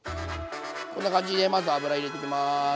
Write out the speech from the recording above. こんな感じでまず油入れていきます。